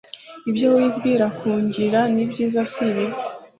Ibyo wibwira kungirira n’ibyiza si ibibi